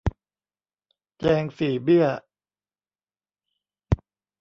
แจงสี่เบี้ย